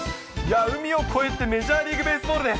海を越えてメジャーリーグベースボールです。